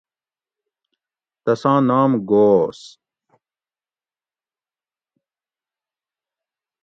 تساں نام گھوس